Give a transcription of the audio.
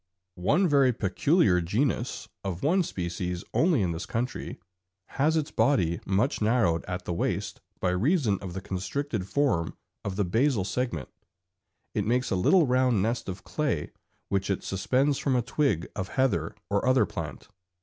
One very peculiar genus, of one species only in this country, has its body much narrowed at the waist by reason of the constricted form of the basal segment; it makes a little round nest of clay which it suspends from a twig of heather or other plant.